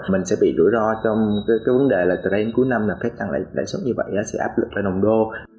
mình sẽ bị rủi ro trong cái vấn đề là từ đây đến cuối năm là fed tăng lãi xuất như vậy sẽ áp lực vào nồng đô